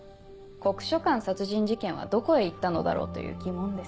『黒書館殺人事件』はどこへ行ったのだろうという疑問です。